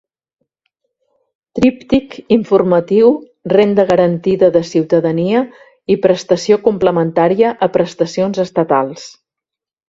Tríptic informatiu Renda garantida de ciutadania i Prestació complementària a prestacions estatals.